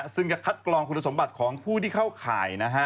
ซึ่งจะคัดกรองคุณสมบัติของผู้ที่เข้าข่าย